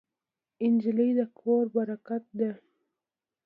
نجلۍ د کور برکت ده.